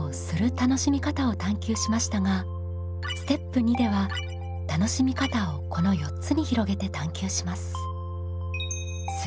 楽しみ方を探究しましたがステップ２では楽しみ方をこの４つに広げて探究します。